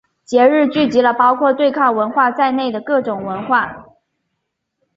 节日聚集了包括对抗文化在内的各种文化。